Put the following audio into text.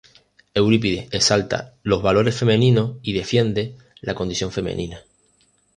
Eurípides exalta los valores femeninos y defiende la condición femenina.